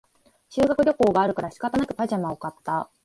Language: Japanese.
修学旅行があるから仕方なくパジャマを買った